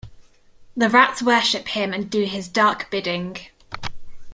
The rats worship him and do his dark bidding.